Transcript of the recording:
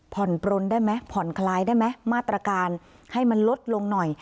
ผ่อนปลนได้ไหมผ่อนคลายได้ไหมมาตรการให้มันลดลงหน่อย